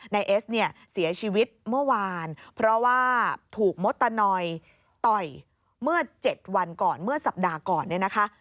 เอสเนี่ยเสียชีวิตเมื่อวานเพราะว่าถูกมดตะนอยต่อยเมื่อ๗วันก่อนเมื่อสัปดาห์ก่อนเนี่ยนะคะ